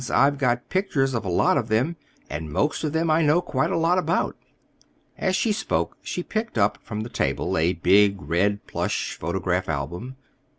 I've got pictures of a lot of them, and most of them I know quite a lot about." As she spoke she nicked up from the table a big red plush photograph album.